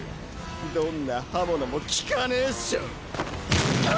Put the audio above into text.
どんな刃物も効かねえっショ。